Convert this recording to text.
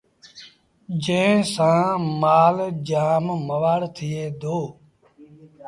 جݩهݩ سآݩ مآل جآم موآڙ ٿئي دو